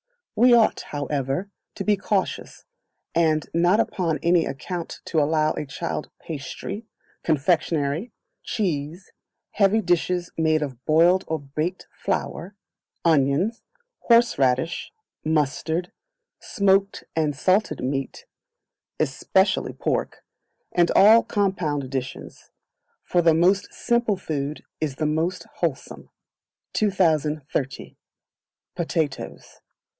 We ought, however, to be cautious, and not upon any account to allow a child pastry, confectionery, cheese, heavy dishes made of boiled or baked flour, onions, horseradish, mustard, smoked and salted meat, especially pork, and all compound dishes; for the most simple food is the most wholesome. 2030. Potatoes.